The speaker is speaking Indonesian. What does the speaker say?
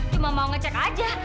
cuma mau ngecek aja